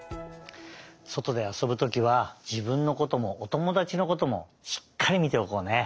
そとであそぶときはじぶんのこともおともだちのこともしっかりみておこうね！